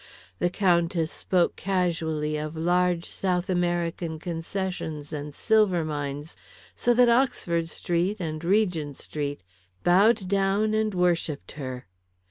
The Countess spoke casually of large South American concessions and silver mines, so that Oxford Street and Regent Street bowed down and worshipped her.